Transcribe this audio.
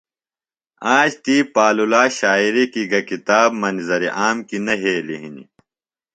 آج تی پالولا شاعری گہ کتاب منظر عام کیۡ نہ یھیلیࣿ ہِنیࣿ۔